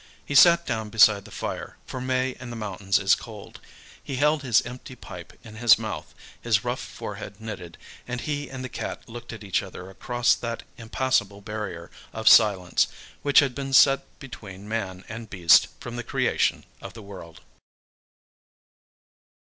He sat down beside the fire, for May in the mountains is cold; he held his empty pipe in his mouth, his rough forehead knitted, and he and the Cat looked at each other across that impassable barrier of silence which has been set between man and beast from the creation of the world.